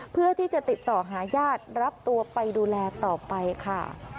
เพื่อที่จะติดต่อหาญาติรับตัวไปดูแลต่อไปค่ะ